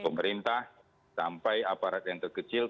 pemerintah sampai aparat yang terkecil